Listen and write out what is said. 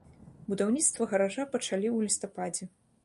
Будаўніцтва гаража пачалі ў лістападзе.